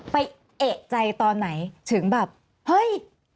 เอกใจตอนไหนถึงแบบเฮ้ย